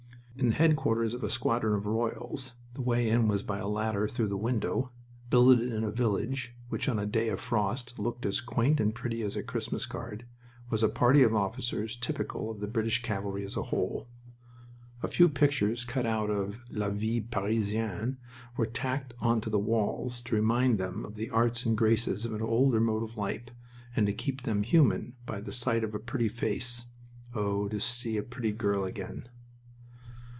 In the headquarters of a squadron of "Royals" the way in was by a ladder through the window billeted in a village, which on a day of frost looked as quaint and pretty as a Christmas card, was a party of officers typical of the British cavalry as a whole. A few pictures cut out of La Vie Parisienne were tacked on to the walls to remind them of the arts and graces of an older mode of life, and to keep them human by the sight of a pretty face (oh, to see a pretty girl again!).